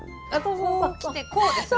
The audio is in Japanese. こうきてこうですね。